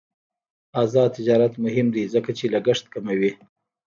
آزاد تجارت مهم دی ځکه چې لګښت کموي.